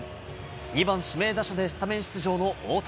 ２番指名打者でスタメン出場の大谷。